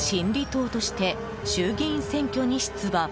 党として衆議院選挙に出馬。